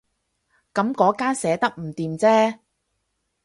噉嗰間寫得唔掂啫